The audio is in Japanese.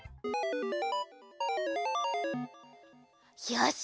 よし！